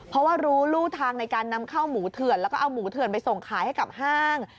เพราะว่ารู้รูทางในการนำเข้าหมูเถื่อนแล้วก็เอาหมูเถื่อนไปส่งขายให้กับห้าง